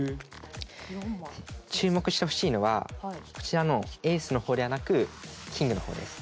注目してほしいのはこちらのエースの方ではなくキングの方です。